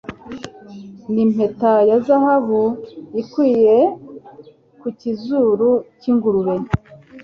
ni nk’impeta ya zahabu ikwikiye ku kizuru cy’ingurube